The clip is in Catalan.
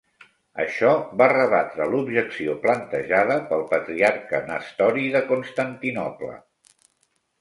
Això va rebatre l'objecció plantejada pel Patriarca Nestori de Constantinoble.